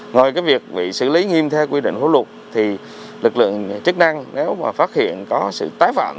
ngồi cái việc bị xử lý nghiêm theo quy định hữu lục thì lực lượng chức năng nếu mà phát hiện có sự tái phạm